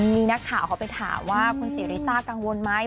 มีนักข่าวเขาไปถามว่าคุณศรีริต้ากังวลไหม